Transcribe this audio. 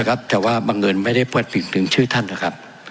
ใช่ครับแต่ว่าบางเกิดไม่ได้พูดถึงถึงชื่อท่านนะครับ